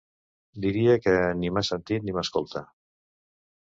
Diria que ni m'ha sentit ni m'escolta.